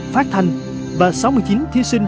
phát hành và sáu mươi chín thí sinh